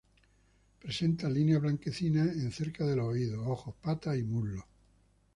Presenta lineas blanquecinas en cerca de los oídos, ojos, patas y muslos.